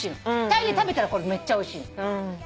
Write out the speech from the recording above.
タイで食べたらめっちゃおいしい。